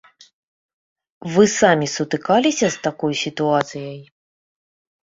Вы самі сутыкаліся з такой сітуацыяй?